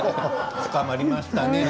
深まりましたね。